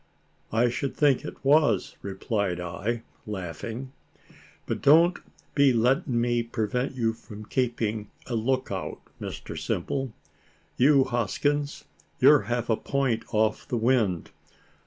"I should think it was," replied I, laughing. "But don't be letting me prevent you from keeping a look out, Mr Simple. You Hoskins, you're half a point off the wind.